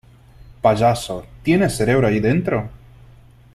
Payaso ,¿ tienes cerebro ahí dentro ?